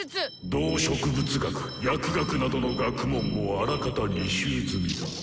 動植物学・薬学などの学問もあらかた履修済みだ。